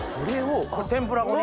天ぷら粉に？